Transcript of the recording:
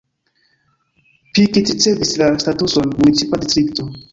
Pikit ricevis la statuson municipa distrikto.